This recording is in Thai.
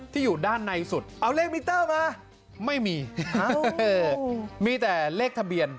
อยู่ด้านในสุดเอาเลขมิเตอร์มาไม่มีมีแต่เลขทะเบียน